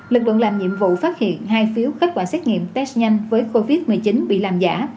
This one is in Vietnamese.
lực lượng làm nhiệm vụ phát hiện hai phiếu kết quả xét nghiệm test nhanh với covid một mươi chín bị làm giả